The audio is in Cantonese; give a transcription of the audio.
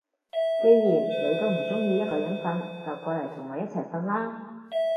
既然你都唔中意一個人瞓，就過嚟同我一齊瞓啦